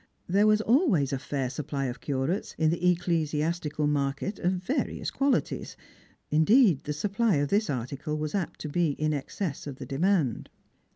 There was always a fair supply of curates in the ecclesiastical market of various qualities ; indeed, the supply of this article was apt to be in excess of the demand.